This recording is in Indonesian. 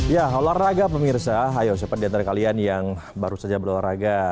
ya olahraga pemirsa ayo siapa diantara kalian yang baru saja berolahraga